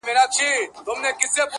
زما خوبـونو پــه واوښـتـل.